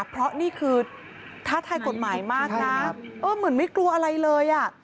เพราะนี่คือท้าทายกฎหมายมากนะเออเหมือนไม่กลัวอะไรเลยอ่ะ